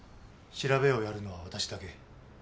調べをやるのは私だけ。